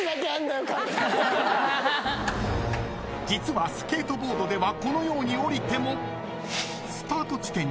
［実はスケートボードではこのようにおりても］